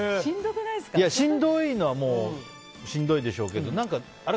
しんどいのはしんどいでしょうけどあれ？